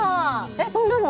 えっ飛んだの？